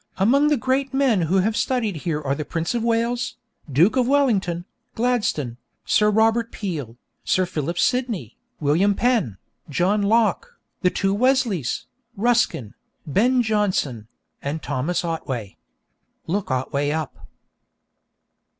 _Among the great men who have studied here are the Prince of Wales, Duke of Wellington, Gladstone, Sir Robert Peel, Sir Philip Sidney, William Penn, John Locke, the two Wesleys, Ruskin, Ben Jonson, and Thomas Otway._ (Look Otway up.)